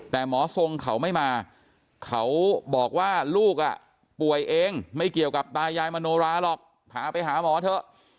แต่หมอทรงเขาไม่มาเขาบอกว่าลูกป่วยเองไม่เกี่ยวกับตายายมโนราหรอกพาไปหาหมอเถอะ